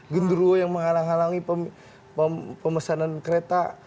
gundurwo yang menghalang halangi pemesanan kereta